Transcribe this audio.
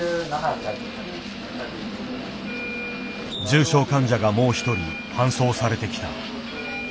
重症患者がもう１人搬送されてきた。